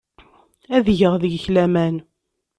Ad geɣ deg-k laman.